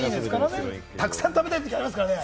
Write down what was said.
たくさん食べたい時ありますからね。